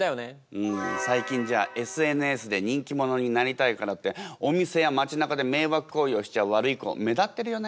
うん最近じゃＳＮＳで人気者になりたいからってお店や町なかで迷惑行為をしちゃうワルイコ目立ってるよね。